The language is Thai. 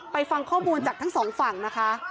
ฟังข้อมูลจากทั้งสองฝั่งนะคะ